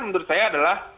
menurut saya adalah